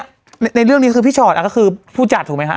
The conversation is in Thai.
อันนี้ในเริ่มนี้คือพี่ฉอตก็คือผู้จัดถูกไหมฮะ